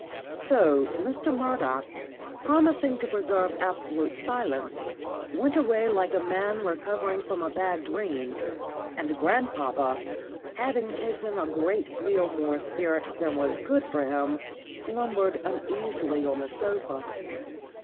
So Mr. Murdoch, promising to preserve absolute silence, went away like a man recovering from a bad dream, and grandpapa, having taken a great deal more spirit than was good for him, slumbered uneasily on the sofa.